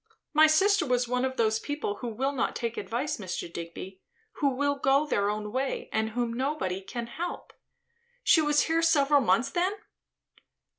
My sister was one of those people who will not take advice, Mr. Digby; who will go their own way, and whom nobody can help. She was here several months, then?"